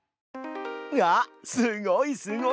あっすごいすごい！